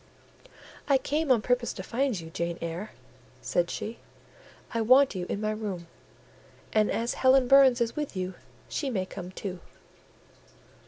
"I came on purpose to find you, Jane Eyre," said she; "I want you in my room; and as Helen Burns is with you, she may come too."